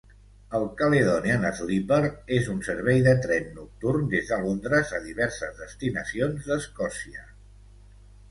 El Caledonian Sleeper és un servei de tren nocturn des de Londres a diverses destinacions d'Escòcia.